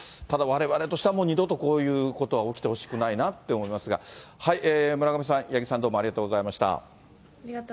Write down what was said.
ただ、われわれとしては、もう二度とこういうことは起きてほしくないなって思いますが、はい、村上さん、八木さん、ありがとうございました。